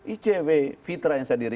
icw fitra yang saya diri